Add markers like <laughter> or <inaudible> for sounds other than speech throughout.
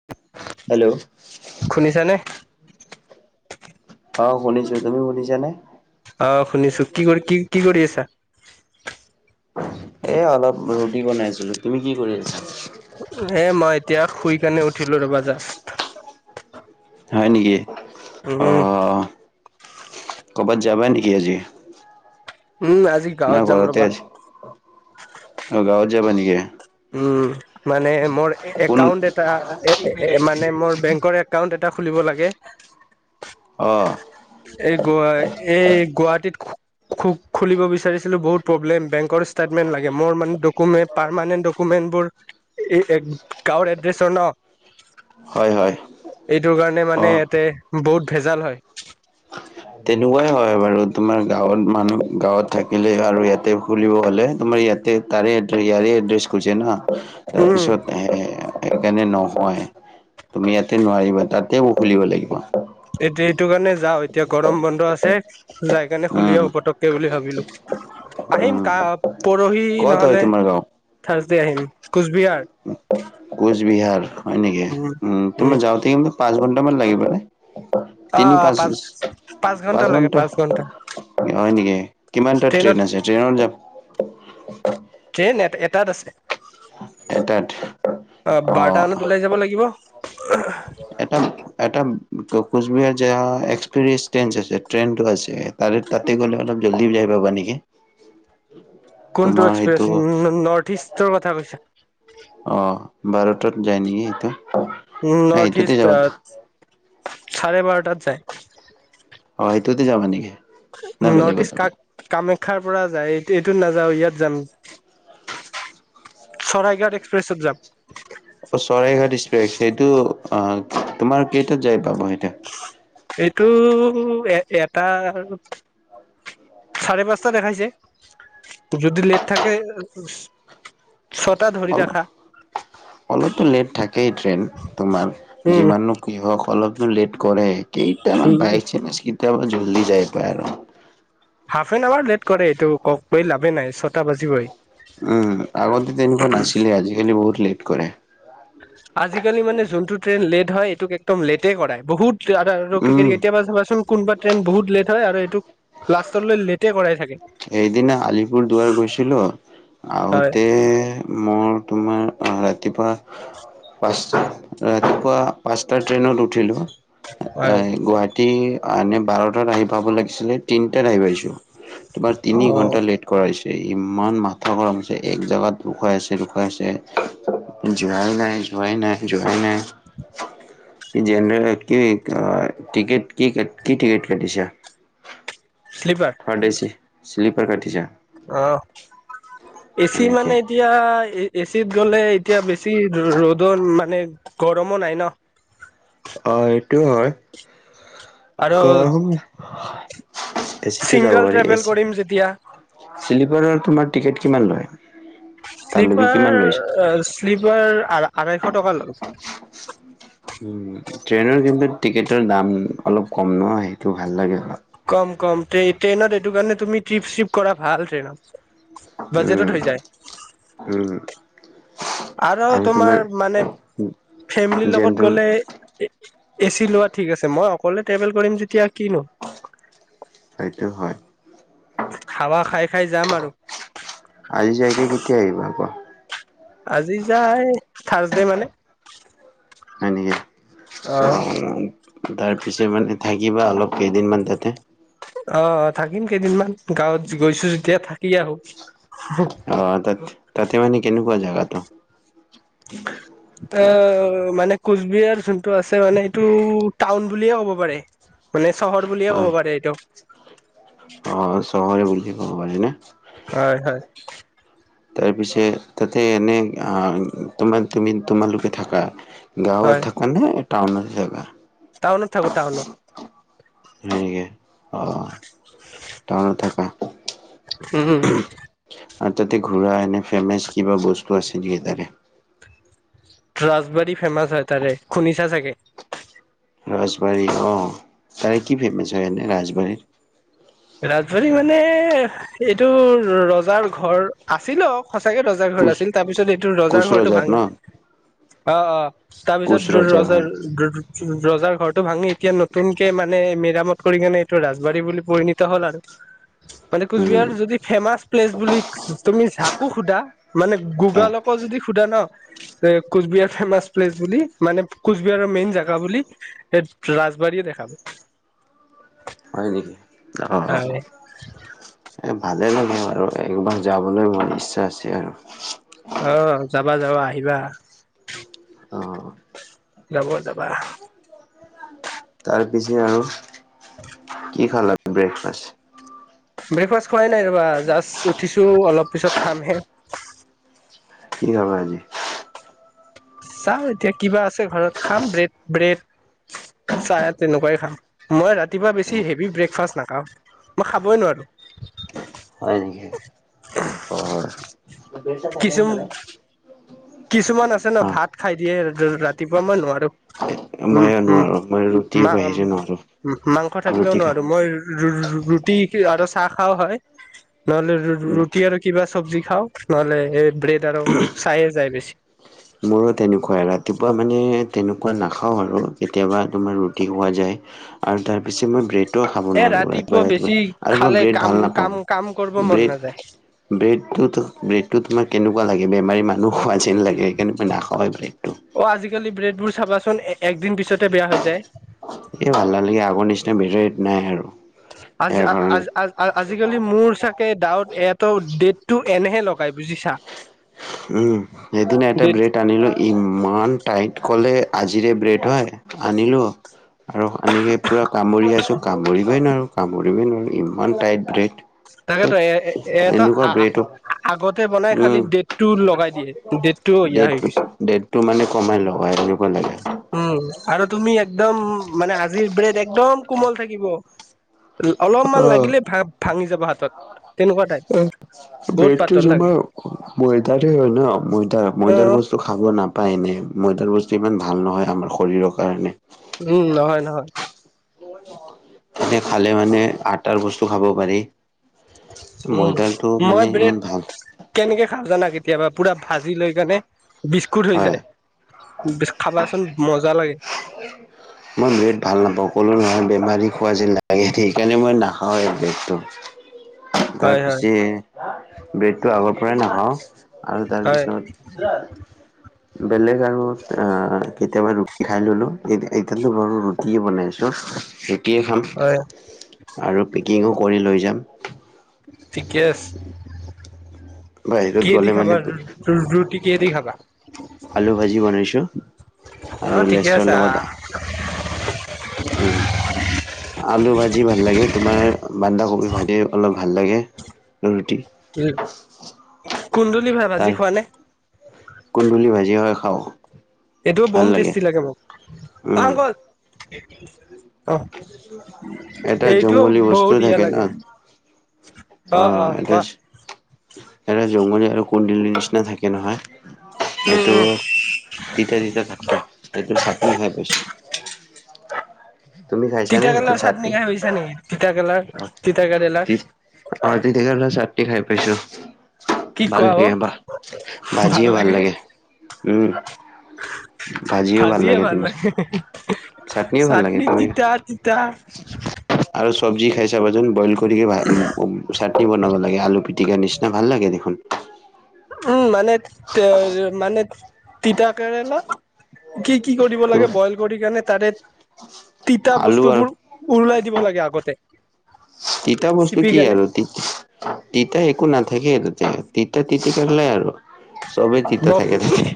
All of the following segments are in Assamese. <inaudible> হেল্লো? শুনিছানে? অ', শুনিছোঁ তুমি শুনিছানে? অ', শুনিছো কি কৰি কি কি কৰি আছা? এ অলপ ৰুটি বনাইছিলো তুমি কি কৰি আছা? এ' মই এতিয়া শুই কেনে উঠিলো ৰ'বা জাষ্ট। হয়, নেকি উম, অ', ক'বাত যাবা নেকি আজি? উম, আজি গাঁৱত নাই যাম ঘৰতে ৰ'বা। অ', গাওঁত যাবা নেকি? উম, মানে মোৰ কোন একাউন্ট এটা মানে মোৰ বেংকৰ একাউণ্ট এটা খুলিব লাগে। অ'। এই গ এই গুৱাহাটীত খু খুলিব বিচাৰিছিলো বহুত প্ৰব্লেম, বেংক ৰ ষ্টেটমেণ্ট লাগে মোৰ মানে ডকুমেণ্ট পাৰ্মানেণ্ট ডকো মেন্ত বোৰ গাঁৱৰ এড্ৰেছৰ ন'? হয, হয়। এইটোৰ কাৰণে অ মানে ইয়াতে বহুত ভেজাল হয়। তেনেকুৱাই হয়, বাৰু তোমাৰ গাঁৱত মানুহ গাঁৱত থাকিলে আৰু ইয়াতে খুলিব হলে তোমাৰ ইয়াতে তাৰে এড ইয়াৰে এড্ৰেছ খোজে না উম, তাৰপিছত সেইকাৰণে নহয়। তুমি ইয়াতে নোৱাৰিবা তাতে মোৰ খুলিব লাগিব। এইটো এইটো কাৰণে যাওঁ। এতিয়া গৰম বন্ধ আছে যাই কাৰণে খুলি উম আহোঁ পতকে বুলি ভাবিলো। আহিম উম কা পৰহি ক'ত হয় নহলে তোমাৰ গাঁও থাৰছডে আহিম কোচবিহাৰ। কোচবিহাৰ হয়, নেকি উম, তোমাৰ যাওঁতে কিন্তু পাঁচ ঘন্টামান লাগিব নে? তিনি পাঁচ ঘন্টা পাঁচ লাগে ঘণ্টা। ঘন্টা হয়, নেকি কিমান তাত ট্ৰেইনত ট্ৰেইন আছে ট্ৰেইনত যাম ট্ৰেইন এটা এটাত আছে। এটাত? অ', বাৰটা মানত ওলাই যাব লাগিব। এটা এটা কোচবিহাৰ যাই অহা এক্সপেৰিয়েচ ট্ৰেইন আছে ট্ৰেইনটো আছে। তাৰে তাতে গ'লে অলপ জল্দি যাই পাবা নেকি। কোনটো তোমাৰ সেইটো এক্সপ্ৰেছ নৰ্থ ইষ্টৰ কথা কৈছা? অ', বাৰটাত যায় নেকি সেইটো। উম, নাই নৰ্থ এইটোতে ইষ্ট যাবা চাৰে বাৰটাত যায়। অ', সেইটোতে যাবা নেকি নাই নৰ্থ বেলেগত ইষ্ট যাবা? কাক কামাখ্যাৰ পৰা যায় এইটোত নাযাওঁ ইয়াত যাম। চৰাইঘাট এক্সপ্ৰেছত যাম। অ', চৰাইঘাট স্প্ৰে সেইটো অ', তোমাৰ কেইটাত যাই পাব এতিয়া? এইটো এ এটা চাৰে পাঁচটা দেখাইছে যদি লেট থাকে ছটা ধৰি অল ৰাখা। অলপতো লেট থাকে ট্ৰেইন তোমাৰ উম যিমানু কৃহক অলপ টো লেট কৰে কেইটামান বাই চাঞ্চ কেতিয়া বা জল্দি যায় পায় আৰু। হাফ এন আৱাৰ লেট কৰে, এইটো কওক কৈ লাভে নাই ছটা বাজিবই। উম, আগতে তেনেকুৱা নাছিলে, আজিকালি বহুত লেট কৰে। আজিকালি মানে, যোনটো ট্ৰেইন লেট হয়, এইটোক একদম লেটে কৰাই। বহুত <unintelligible> উম কেতিয়াবা চাবাচোন? কোনোবা ট্ৰেইন বহুত লেট হয়! আৰু এইটো লাষ্টলৈ লেটে কৰাই থাকে। সেইদনা আলিপুৰ দুুৱাৰ গৈছিলোঁ। হয় আহোঁতে মোৰ তোমাৰ, ৰাতিপুৱা পাঁচ, ৰাতিপুৱা পাঁচটাৰ ট্ৰেইনত উঠিলোঁ। হয় এ, গুৱাহাটী এনে, বাৰটাত আহি পাব লাগিছিলে, তিনটাত আহি পাইছোঁ। তোমাৰ, অ তিনি ঘণ্টা লেট কৰাইছে। ইমান মাথা গৰম হৈছে! এক জেগাত ৰখোৱাইছে, ৰখোৱাইছে। যোৱাই নাই, যোৱাই নাই, যোৱাই নাই। কি জেনেৰেল কি, টিকেট কি, কি টিকেট কাটিছা? শ্লিপাৰ। <unintelligible> শ্লিপাৰ কাটিছা? অ'! এ চি এনেকে মানে, কি হয়! এ চিত গ'লে, এতিয়া বেছি ৰ'দত মানে, গৰমো নাই ন'। অ'! এইটো হয়! আৰু <unintelligible> এচিতে যাব ছিংগল পাৰি, ট্ৰেভেল কৰিম এচিত। যেতিয়া শ্লিপাৰ তোমাৰ, টিকেট কিমান লয়? তালৈকে কিমান লৈছে? শ্লিপাৰ-শ্লিপাৰ আঢ়ৈশ টকা লয়। উম, ট্ৰেইনৰ কিন্তু, টিকেটৰ দাম অলপ কম ন'! সেইটো ভাল লাগে, <unintelligible> কম কমতে, ট্ৰেইনত এইটো কাৰণে, তুমি ট্ৰিপ- চ্ৰিপ কৰা ভাল! ট্ৰেইনত। বাজেটত উম, হৈ যায় উম। আৰু তোমাৰ মানে, ফেমিলিৰ লগত জেনেৰেল গ'লে এ চি লোৱা ঠিক আছে, মই অকলে, ট্ৰেভেল কৰিম যেতিয়া, কিনো! সেইটো হয়! হাৱা খাই-খাই যাম আৰু। আজি যাইকে, কেতিয়া আহিব আকৌ? আজি যাই থাৰ্চডে, মানে। হয় নেকি? অ তাৰ পিছত মানে, থাকিবা অলপ, কেইদিনমান তাতে? অ'! থাকিম কেইদিনমান। গাঁৱত গৈছোঁ যেতিয়া, থাক অ'! তাতে, তাতে মানে, কেনেকুৱা জেগাটো? অ'! মানে, কোচবিহাৰ যোনটো আছে, মানে এইটো, টাউন বুলিয়ে ক'ব পাৰে। মানে, চহৰ বুলিয়ে হয়, ক'ব পাৰে, এইটো। <unintelligible> হয়, হয়! তাৰপিছে, তাতে এনে, তোমাৰ তুমি, তোমালোকে থাকা? গাঁৱত হয় থাকা নে টাউনতে থাকা? টাউনত থাকোঁ, টাউনত। সেনেকে, অ'! টাউনত থাকা। উম, উম। আঁ তাতে ঘূৰা এনে, ফেমাচ কিবা বস্তু আছে নেকি, তাতে? ৰাজবাৰী ফেমাচ হয়, তাৰে। শুনিছা চাগে? ৰাজবাৰী, অ'! তাৰে কি ফেমাচ হয়, এনেই ৰাজবাৰীৰ? ৰাজবাৰী মানে, এইটো ৰজাৰ ঘৰ আছিল, আও। সঁচাকে ৰজাৰ ঘৰত কোচ আছিল। তাৰপিছত, এইটো ৰজাৰ কোচ ঘৰটো ন ভাঙে। অ' অ'! কোচ তাৰপিছত, ৰজাৰ হয় ৰজাৰ ঘৰটো ভাঙি, এতিয়া নতুনকে মানে, মেৰামত কৰিকিনে, এইটো ৰাজবাৰী বুলি কয় নি! এতিয়া হ'ল আৰু। মানে, উম কোচবিহাৰ যদি ফেমাচ প্লেচ বুলি, তুমি যাকো সোধা মানে, অ গুগল পাওঁ যদি, সোধে ন' যে, কোচবিহাৰ ফেমাচ প্লেচ বুলি। মানে, কোচবিহাৰৰ মেইন জাগা বুলি। এই, ৰাজবাৰীয়ে দেখাব। হয় নেকি? অ'! হয় এ ভালেই লাগে আৰু একবাৰ যাবলৈ মোৰ ইচ্ছা আছে আৰু। অ' যাবা যাবা, আহিবা। অঁ। যাব যাবা। তাৰ পিছে আৰু কি খালানো ব্ৰেকফাষ্ট? ব্ৰেকফাষ্ট খোৱাই নাই ৰবা। জাষ্ট উঠিছো অলপ পিছত খামহে। কি খাবা আজি? চাওঁ এতিয়া কিবা আছে ঘৰত, খাম ব্ৰেড ব্ৰেড। চাহ তেনেকুৱাই খাম। মই ৰাতিপুৱা বেছি হেভি ব্ৰেকফাষ্ট নাখাও। মই খাবই নোৱাৰোঁ। হয় নেকি? অ'। কিছু কিছুমান আছে ন অ ভাত খাই দিয়ে ৰাতিপুৱা, মই নোৱাৰো। মই উম, উম নোৱাৰো মই ৰুটিৰ মা বাহিৰে নোৱাৰো উ মাংস থাকিলেও ৰুটি খাওঁ নোৱাৰো। মই ৰু ৰু ৰুটি আৰু চাহ খাও হয়। নহ'লে ৰুটি আৰু কিবা চব্জি খাওঁ, নহ'লে এই ব্ৰেড আৰু চাহে যায় বেছি। মোৰো তেনেকুৱাই। ৰাতিপুৱা মানে তেনেকুৱা নাখাওঁ আৰু কেতিয়াবা তোমাৰ ৰুটি খোৱা যায়। আৰু তাৰ বেচি মই ব্ৰেড ডো খাব এ নোৱাৰোঁ ৰাতিপুৱাই ৰাতিপুৱা ৰাতিপুৱাই বেছি আৰু মই খালে ব্ৰেড কাম ভাল কাম কাম কৰিব নাপাওঁ। মন ব্ৰেড নাযায় ব্ৰেডটো তো, ব্ৰেডটো তোমাৰ কেনেকুৱা লাগে বেমাৰী মানুহ খোৱা যেন লাগে, সেইকাৰণে মই নাখাওঁৱে ব্ৰেডটো। অ' আজিকালি ব্ৰেডবোৰ চাবাচোন একদিন পিছতে বেয়া হৈ যায়। এ ভাল নালাগে, আগৰ নিচিনা ব্ৰেড নাই আৰু। আজি ইয়াৰ আ আজ কাৰণে। আজ আ আজিকালি মোৰ চাগে ডাউট এইটো ডেটটো এনেহে লগাই বুজিছা। উম, হেইদিনা এটা ডেট ব্ৰেড আ ইমান টাইট ক'লে আজিৰে ব্ৰেড হয়, আনিলো আৰু আনিএকি পুৰা কামুৰি আছো, কামুৰিবই নোৱাৰোঁ, কামুৰিবই নোৱাৰোঁ, ইমান টাইট ব্ৰেড। তাকেতো ধেত এ এ এ এটা এনেকুৱা আ আ ব্ৰেটো আ আগতে বনাই খালি উম ডেটটো লগাই দিয়ে, ডেটটো ইয়া হৈ গৈচে। টো মানে কমাই লগাই আনিব লাগে। উম, আৰু তুমি একদম মানে আজিৰ ব্ৰেড একদম কোমল থাকিব। অলপমান অ লাগিলে ভা ভাঙি যাব হাতত। তেনেকুৱা টাইপ এ বহুত ব্ৰেডটো পাতল থাকে তোমাৰ ময়দাৰে হয় ন, ময়দা অ ময়দাৰ বস্তু। খাব নাপায় এনে, ময়দাৰ বস্তু ইমান ভাল নহয় আমাৰ শৰীৰৰ কাৰণে। উম, নহয় নহয়। এনে খালে মানে আটাৰ বস্তু খাব পাৰি। উম, ময়দাৰটো মই মানে ইমান ব্ৰেড ভাল কেনেকে খাওঁ জানা? কেতিয়াবা পুৰা ভাজি লৈ কেনে বিস্কুট হৈ হয় যায়। খাবাচোন মজা লাগে। মই ব্ৰেড ভাল নাপাওঁ, ক'লো নহয় বেমাৰী খোৱা যেন লাগে সেইকাৰণে মই নাখাওঁ এই ব্ৰেডটো। তাৰ হয় হয় পিছে ব্ৰেডটো আগৰ পৰাই নাখাওঁ। আৰু হয় তাৰপিছত বেলেগ আৰু অ' কেতিয়াবা ৰুটি খাই ললো, এ এতিয়াটো বাৰু ৰুটিয়ে বনাইছোঁ ৰুটিয়ে খাম। হয় আৰু পেকিঙো কৰি লৈ যাম। ঠিকে আছে, বাহিৰত কিহেদি গ'লে মানে খাবাৰ ৰুটি? কি দি খাবা? আলু ভাজি বনাইছো, অ আৰু ঠিকে লেচেৰা আছে লগত উম। আলু ভাজি ভাল লাগে, তোমাৰ বন্ধাকবি ভাজি অলপ ভাল লাগে, ৰুটি কুন্দুলি ভাই ভাজি তাৰ খোৱা নে? কুন্দুলি ভাজি হয় খাওঁ। এইটো বম টেষ্টি লাগে মোক। অ' উম। আংকল অ' এটা এইটো জংঘলী বস্তু বহুত ইয়া থাকে ন লাগে। অ' এটা এটা জংঘল আৰু কুন্দুলি নিচিনা থাকে নহয় উম সেইটো উম তিতা তিতা থাক কে এইটোৰ চাটনি খাই পইচ? তিতা কেৰেলাৰ চাটনি খাই পাইছা নেকি তিতাকেৰেলাৰ অ তিতাকেৰেলাৰ? অ' তিতাকেৰেলাৰ চাটনি খাই পাইছো। কি ভাল কোৱা অ লাগে বা ভাজিও ভাল লাগে। উম ভাজিও ভাল লাগে তোমাৰ, চাটনিও ভাল লাগে। চাটনি তুমি তিতা তিতা আৰু চব্জি খাই চাবাচোন বইল কৰি ভ উ চাটনি বনাব লাগে আলু পি টিকাৰ নিচনা ভাল লাগে দেখোন। উম, মানে মানে তিতা কেৰেলা কি কি কৰিব লাগে বইল কৰি কিনে তাৰে তিতা আলু আৰু বস্তুবোৰ উৰুলাই দিব লাগে আগতে। তিতা বস্তু চিপি কি কেনে আৰু তি তিতা একো নাথাকেই তেতিয়া। তিতা তিতাকেৰেলাই আৰু চবেই তিতা ব থাকে থাকে।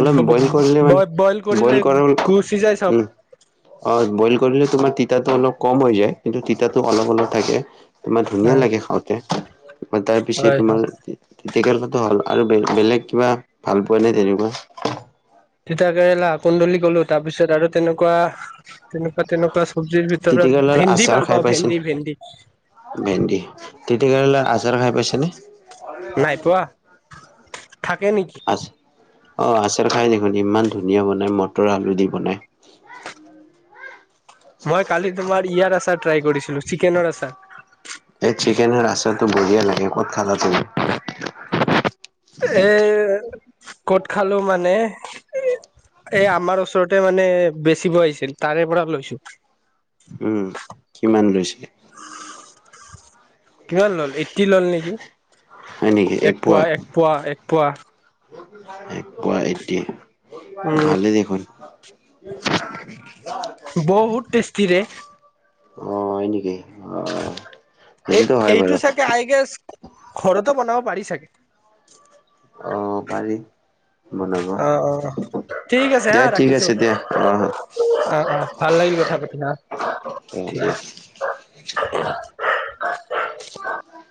অলপ বইল কৰিলে মানে কৰিলে বইল কৰা গুচি যায় চব উম অ' বইল কৰিলে তোমাৰ তিতাটো অলপ ক'ম হৈ যায়, কিন্তু তিতাটো অলপ অলপ থাকে। তোমাৰ ধুনীয়া লাগে হয় খাওঁতে, তাৰ পিছে হয় তোমাৰ তিতাকেৰেলাটো হ'ল, আৰু বেলেগ কিবা ভাল পোৱা নে তেনেকুৱা? তিতাকেৰেলা কুন্দুলি ক'লো তাৰপিছত আৰু তেনেকুৱা তেনেকুৱা তেনেকুৱা চব্জিৰ ভিতৰত তিতাকেৰেলাৰ ভেন্দি আচাৰ ভাল খাই পাওঁ পাইছেনে ভেন্দি ভেন্দি। ভেন্দি, তিতাকেৰেলাৰ আচাৰ খাই পাইছেনে? নাই পোৱা, থাকে নেকি? আচে অঁ আচালৰ খাই দেখোন ইমান ধুনীয়া বনায় মটৰ আলু দি বনায়। মই কালি তোমাৰ ইয়াৰ আচাৰ ট্ৰাই কৰিছিলো, চিকেনৰ আচাৰ। এই চিকেনৰ আচাৰটো বঢ়িয়া লাগে, ক'ত খালা তুমি? এ ক'ত খালো মানে এ আমাৰ ওচৰত মানে বেচিব আহিছিল তাৰে পৰা লৈছো। উম, কিমান লৈছে? <unintelligible> কিমান ল'লে এইটি ল'লে নেকি? এক পোৱা এক পোৱা এক পোৱা। এক পোৱা এইটি, এই উম ভালেই দেখোন। বহুত টেষ্টিৰে অ' হয় নেকি? আহ এই এইটো চাগে আই গেছ ঘৰতো বনাব পাৰি চাগে? অ' পাৰি বনাব অ', অ'। ঠিক আছে হা দিয়া ঠিক ৰাখিছো আছে দিয়া অ আহ আহ ভাল লাগিল কথা পাতি হা। অ' ঠিক দিয়া। <inaudible> উ <unintelligible>